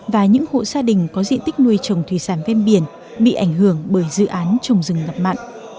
và những hộ gia đình có diện tích nuôi trồng thủy sản ven biển bị ảnh hưởng bởi dự án trồng rừng ngập mặn